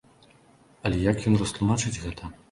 Але як ён растлумачыць гэта?